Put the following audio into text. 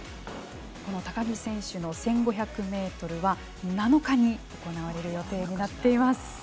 高木選手の１５００ｍは７日に行われる予定になっています。